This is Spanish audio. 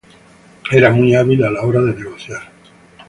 Era muy hábil a la hora de negociar.